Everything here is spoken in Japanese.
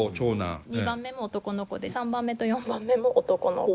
２番目も男の子で３番目と４番目も男の子。